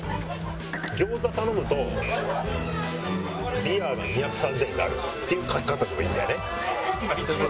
「餃子頼むとビアが２３０円になる」っていう書き方でもいいんだよね。